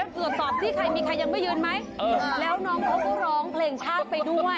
เกือบสอบที่มีใครยังไม่ยืนไหมแล้วน้องเขาก็ร้องเพลงชัดไปด้วย